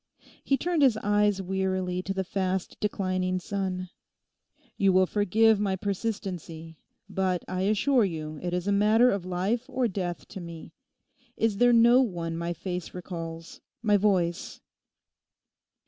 He turned his eyes wearily to the fast declining sun. 'You will forgive my persistency, but I assure you it is a matter of life or death to me. Is there no one my face recalls? My voice?